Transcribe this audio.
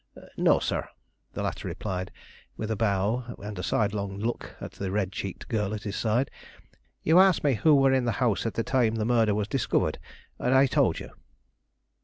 "No, sir," the latter replied, with a bow and a sidelong look at the red cheeked girl at his side. "You asked me who were in the house at the time the murder was discovered, and I told you."